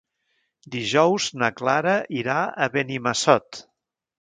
Dijous na Clara irà a Benimassot.